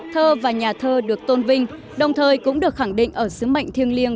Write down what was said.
thơ và nhà thơ được tôn vinh đồng thời cũng được khẳng định ở sứ mệnh thiêng liêng